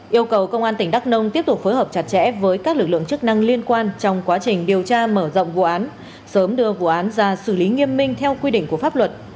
yêu cầu công an tỉnh đắk nông tiếp tục phối hợp chặt chẽ với các lực lượng chức năng liên quan trong quá trình điều tra mở rộng vụ án sớm đưa vụ án ra xử lý nghiêm minh theo quy định của pháp luật